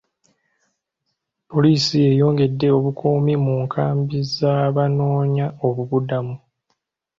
Poliisi eyongedde obukuumi mu nkambi z'abanoonyi boobubudamu.